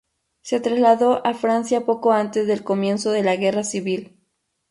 Se trasladó a Francia poco antes del comienzo de la Guerra civil.